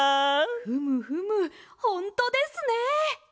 ふむふむほんとですね！